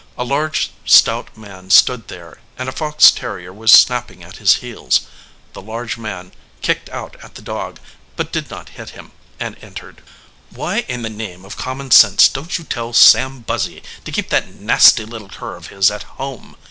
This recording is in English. A large stout man stood there and a fox terrier was snap ping at his heels. The large man kicked out at the dog, but did not hit him, and entered. "Why in the name of common sense don t you tell Sam Buzzy to keep that nasty little cur of his at home